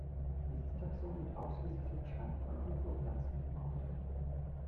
Dieses Taxon wird ausschließlich zur Beschreibung von Kulturpflanzen gebraucht.